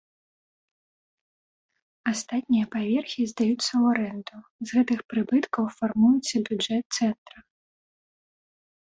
Астатнія паверхі здаюцца ў арэнду, з гэтых прыбыткаў фармуецца бюджэт цэнтра.